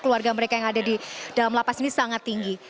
keluarga mereka yang ada di dalam lapas ini sangat tinggi